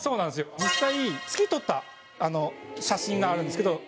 実際に、月、撮った写真があるんですけど。